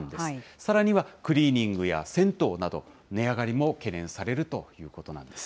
さらにはクリーニングや銭湯など、値上がりも懸念されるということなんです。